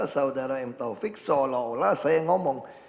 saudara m taufik seolah olah saya ngomong